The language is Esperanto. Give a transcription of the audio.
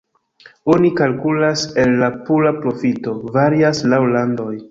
Oni kalkulas el la pura profito, varias laŭ landoj.